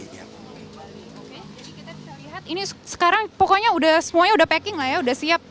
oke jadi kita bisa lihat ini sekarang pokoknya semuanya udah packing lah ya udah siap